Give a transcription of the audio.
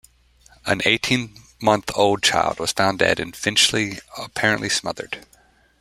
An eighteen-month-old child was found dead in Finchley, apparently smothered.